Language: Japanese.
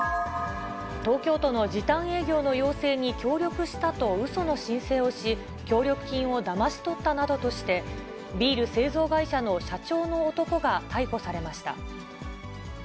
東京都の時短営業の要請に協力したと、うその申請をし、協力金をだまし取ったなどとして、ビール製造会社の社長の男が逮捕されました。